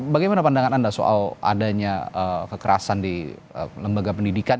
bagaimana pandangan anda soal adanya kekerasan di lembaga pendidikan